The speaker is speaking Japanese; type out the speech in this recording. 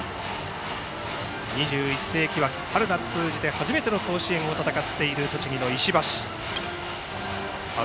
２１世紀枠春夏通じて初めての甲子園を戦っている栃木の石橋。